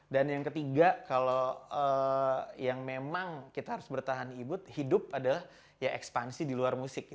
dan yang ketiga kalau yang memang kita harus bertahan ibut hidup adalah ekspansi di luar musik